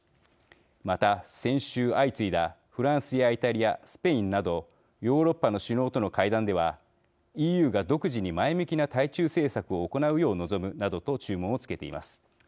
また、先週、相次いだフランスやイタリアスペインなどヨーロッパの首脳との会談ではＥＵが独自に前向きな対中政策を行うよう望むなどと注文を付けています。